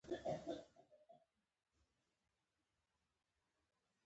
هر زخم د درک غوښتنه کوي.